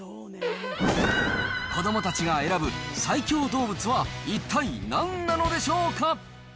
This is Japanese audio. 子どもたちが選ぶ最強動物は一体なんなのでしょうか。